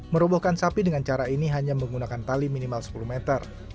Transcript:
merobohkan sapi dengan cara ini hanya menggunakan tali minimal sepuluh meter